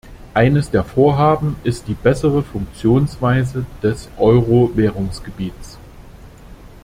Eines der Vorhaben ist die bessere Funktionsweise des Euro-Währungsgebiets.